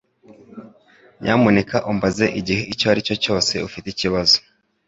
Nyamuneka umbaze igihe icyo ari cyo cyose ufite ikibazo.